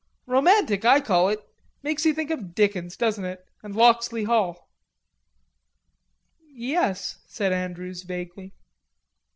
"Romantic I call it. Makes you think of Dickens, doesn't it, and Locksley Hall." "Yes," said Andrews vaguely.